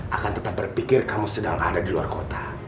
akan tetap berpikir kamu sedang ada di luar kota